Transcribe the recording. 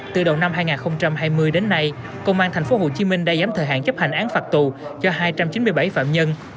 từ đầu năm hai nghìn hai mươi đến nay công an tp hcm đã giảm thời hạn chấp hành án phạt tù cho hai trăm chín mươi bảy phạm nhân